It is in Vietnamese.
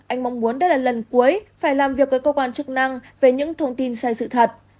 anh mong muốn đây là lần cuối phải làm việc với cơ quan chức năng về những thông tin sai sự thật